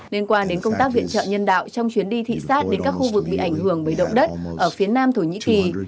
liên quan đến công tác viện trợ nhân đạo trong chuyến đi thị xát đến các khu vực bị ảnh hưởng bởi động đất ở phía nam thổ nhĩ kỳ